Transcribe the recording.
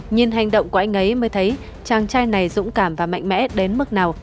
nhìn hành động của anh ấy mới thấy chàng trai này dũng cảm và mạnh mẽ đến mức nào